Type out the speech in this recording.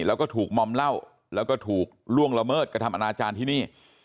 แล้วก็ถูกมอมเหล้าแล้วก็ถูกล่วงละเมิดกระทำอนาจารย์ที่นี่